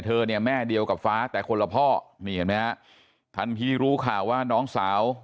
เธอเนี่ยแม่เดียวกับฟ้าแต่คนละพ่อท่านพี่รู้ข่าวว่าน้องสาว